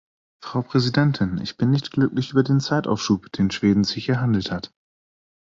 Frau Präsidentin! Ich bin nicht glücklich über den Zeitaufschub, den Schweden sich erhandelt hat.